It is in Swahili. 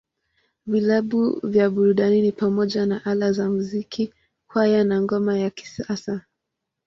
Vilabu vya burudani ni pamoja na Ala za Muziki, Kwaya, na Ngoma ya Kisasa.